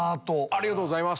ありがとうございます。